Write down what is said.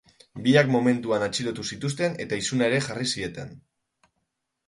Biak momentuan atxilotu zituzten eta isuna ere jarri zieten.